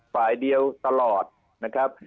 ฝ่ายเดียวตลอดนะครับ